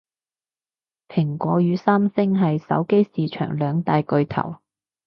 蘋果與三星係手機市場兩大巨頭